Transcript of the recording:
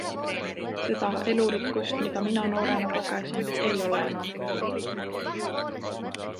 Seda elurikkust, mida mina noorena kogesin, ei ole enam.